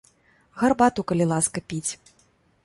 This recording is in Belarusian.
Гарбату, калі ласка, піць.